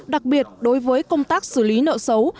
đặc biệt đối với công tác xử lý nợ xấu